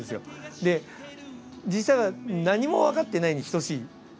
で実際は何もわかってないに等しい。